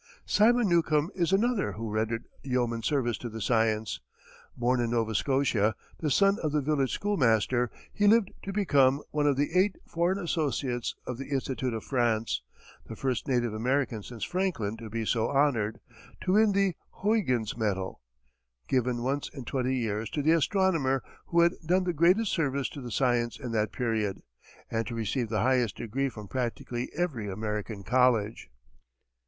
Simon Newcomb is another who rendered yeoman service to the science. Born in Nova Scotia, the son of the village schoolmaster, he lived to become one of the eight foreign associates of the Institute of France, the first native American since Franklin to be so honored; to win the Huygens medal, given once in twenty years to the astronomer who had done the greatest service to the science in that period, and to receive the highest degree from practically every American college.